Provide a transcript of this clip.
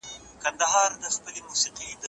رئيس وويل چي دنده يو امانت دی چي بايد وساتل سي.